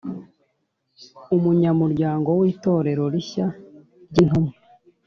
umunyamuryango w Itorero Rishya ry intumwa .